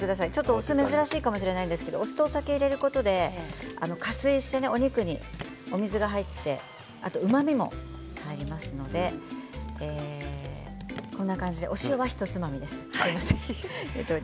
お酢は珍しいかもしれませんがお酢とお酒を入れることでお肉にも水が入ってうまみも入りますのでこんな感じで塩はひとつまみです。